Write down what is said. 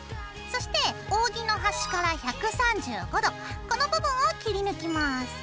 そして扇の端から１３５度この部分を切り抜きます。